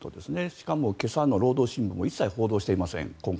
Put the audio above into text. しかも今朝の労働新聞も一切報道していません。